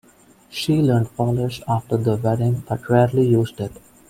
She learned Polish after the wedding but rarely used it.